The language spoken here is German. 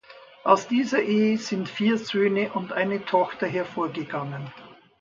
Aus dieser Ehe sind vier Söhne und eine Tochter hervorgegangen.